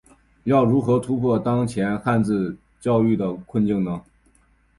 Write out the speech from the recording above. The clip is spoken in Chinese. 要如何突破当前汉字教育的困境呢？